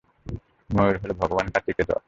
ময়ূর হলো ভগবান কার্তিকের রথ।